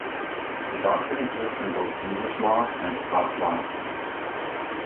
The doctrine exists in both English law and Scots law.